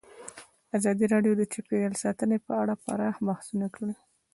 ازادي راډیو د چاپیریال ساتنه په اړه پراخ بحثونه جوړ کړي.